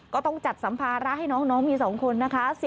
ก็ต้องจัดสัมภาระให้น้องมี๒คนนะคะ